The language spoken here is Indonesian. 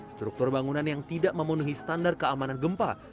struktur bangunan yang tidak memenuhi standar keamanan gempa